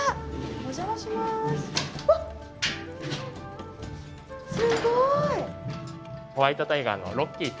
お邪魔します。